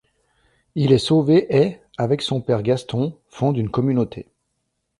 Il est sauvé et, avec son père Gaston, fonde une communauté.